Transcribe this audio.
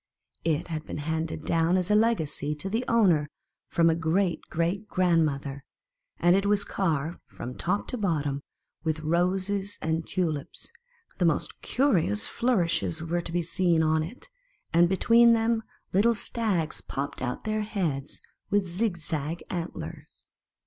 It had been hand ed down as a legacy to the o wner from a great great grandmother, and it was carved from top to bottom with roses and tulips; the most curious flourishes 105 mti were to be seen on it, and between them little stags popped out their heads with zig zag antlers.